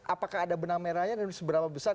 apakah ada benang merahnya dan seberapa besar